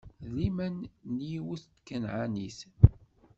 D liman n yiwet n tkanɛanit.